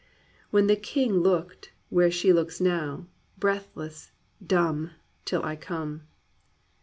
When the king looked, where she looks now, breathless, dumb Till I come.